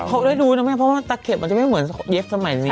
เขาได้รู้นะแม่เพราะว่าตะเข็บมันจะไม่เหมือนเย็บสมัยนี้